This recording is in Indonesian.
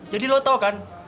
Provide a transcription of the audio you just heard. jadi lo tau kan